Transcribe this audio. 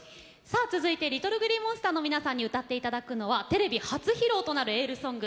続いてＬｉｔｔｌｅＧｌｅｅＭｏｎｓｔｅｒの皆さんに歌っていただくのはテレビ初披露のエールソング